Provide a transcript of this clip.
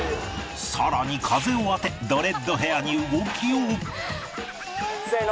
さらに風を当てドレッドヘアに動きをせーの！